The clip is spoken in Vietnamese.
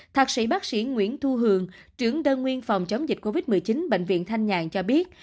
thạc sĩ bác sĩ nguyễn thu hường trưởng đơn nguyên phòng chống dịch covid một mươi chín bệnh viện thanh nhàn cho biết